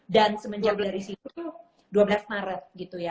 dan semenjak dari situ dua belas maret gitu ya